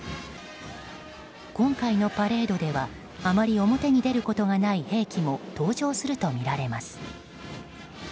今回のパレードではあまり表に出ることがない兵器も登場するとみられます。